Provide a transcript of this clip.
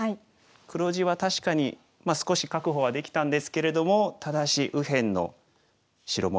黒地は確かに少し確保はできたんですけれどもただし右辺の白模様